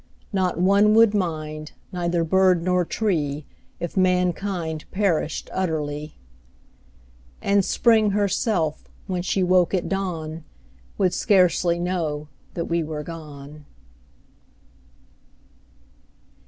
Not one would mind, neither bird nor tree If mankind perished utterly; And Spring herself, when she woke at dawn, Would scarcely know that we were gone.